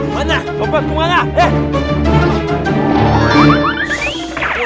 mana copet kemana